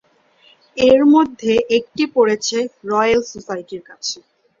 এর মধ্যে একটি পড়েছে রয়্যাল সোসাইটির কাছে।